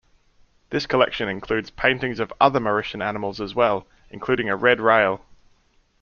This collection includes paintings of other Mauritian animals as well, including a red rail.